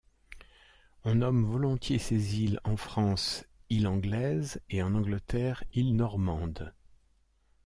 On nomme volontiers ces îles en France îles anglaises, et en Angleterre îles normandes.